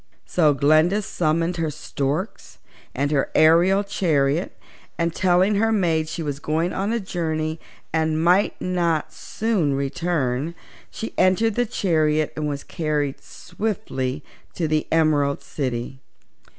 So Glinda summoned her storks and her aerial chariot, and telling her maids she was going on a journey and might not soon return, she entered the chariot and was carried swiftly to the Emerald City.